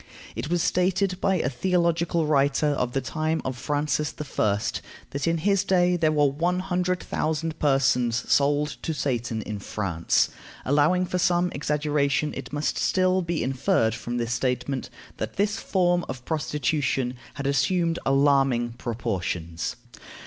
It was stated by a theological writer of the time of Francis I., that in his day there were one hundred thousand persons sold to Satan in France. Allowing for some exaggeration, it must still be inferred from this statement that this form of prostitution had assumed alarming proportions.